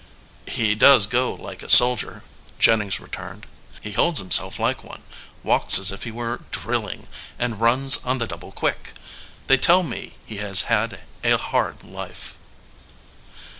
"He does go like a soldier," Jennings returned. 232 THE SOLDIER MAN "He holds himself like one, walks as if he were drilling, and runs on the double quick. They tell me he has had a hard life."